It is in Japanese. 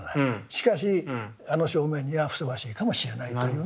しかしあの正面にはふさわしいかもしれないというね。